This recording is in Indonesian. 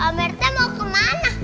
kameretnya mau kemana